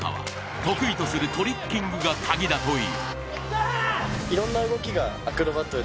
得意とするトリッキングが鍵だという。